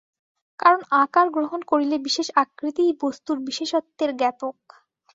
কারণ আকার গ্রহণ করিলে বিশেষ আকৃতিই বস্তুর বিশেষত্বের জ্ঞাপক।